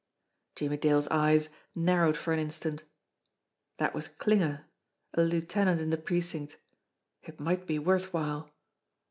Jimmie Dale's eyes narrowed for an instant. That was Klinger, a lieutenant in the precinct It might be worth while!